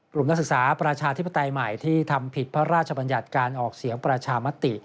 นักศึกษาประชาธิปไตยใหม่ที่ทำผิดพระราชบัญญัติการออกเสียงประชามติ